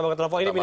maaf lah ribatin